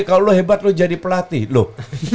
kalau lo hebat lo jadi pelatih lo